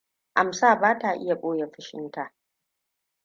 Amsa ba ta iya ɓoye fushinta.